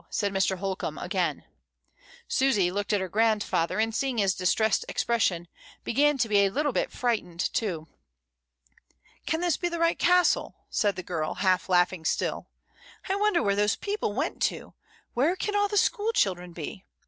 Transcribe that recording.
said Mr. Holcombe again. Susy looked at her grandfather, and seeing his distressed expression, began to be a little bit frightened too. "Can this be the right Castle?" said the girl, half laughing still. "I wonder where those people went to; where can all the school children be?